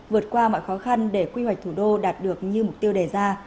vượt qua mọi khó khăn để quy hoạch thủ đô đạt được như mục tiêu đề ra